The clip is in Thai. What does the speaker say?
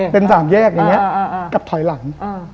เป็นสามแยกอย่างนี้กับถอยหลัง